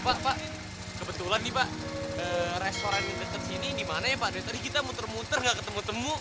pak pak kebetulan nih pak restoran deket sini dimana ya pak dari tadi kita muter muter nggak ketemu temu